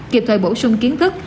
kịp thời bổ sung kiến thức